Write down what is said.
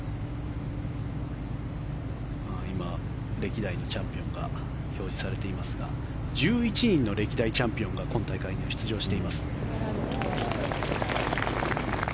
今、歴代のチャンピオンが表示されていますが１１人の歴代チャンピオンが今大会、出場しています。